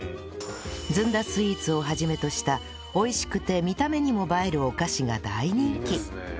ずんだスイーツを始めとした美味しくて見た目にも映えるお菓子が大人気